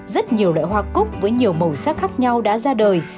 rất nhiều loại hoa cúc với nhiều màu sắc khác nhau đã ra đời